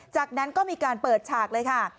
จากนั้นก็มีการเปิดฉากเลยค่ะ